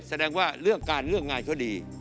แสดงว่าเลือกการเลือกงานเขาดี